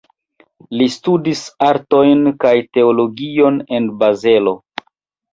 Li studis artojn kaj teologion en Bazelo.